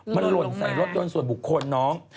มันหล่นใส่รถยนต์ส่วนบุคคลน้อง